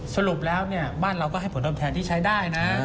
สรุปแล้วเนี่ยบ้านเราก็ให้ผลตอบแทนที่ใช้ได้นะ